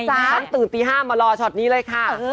ฉันตื่นตี๕มารอช็อตนี้เลยค่ะ